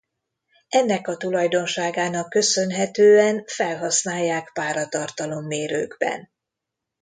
Ennek a tulajdonságának köszönhetően felhasználják páratartalom-mérőkben.